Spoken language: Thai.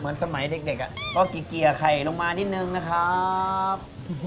เหมือนสมัยเด็กก็เกียร์ไข่กว่านะครับ